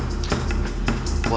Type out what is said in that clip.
gue habis di nolak cik